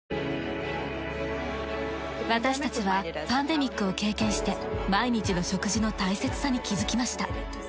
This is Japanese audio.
私たちはパンデミックを経験して毎日の食事の大切さに気づきました。